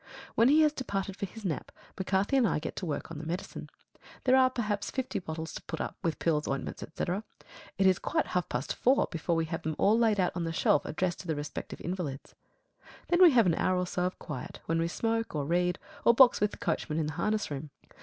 When he has departed for his nap, McCarthy and I get to work on the medicine. There are, perhaps, fifty bottles to put up, with pills, ointment, etc. It is quite half past four before we have them all laid out on the shelf addressed to the respective invalids. Then we have an hour or so of quiet, when we smoke or read, or box with the coachman in the harness room.